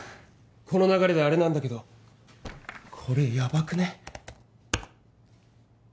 この流れであれなんだけどこれヤバくね？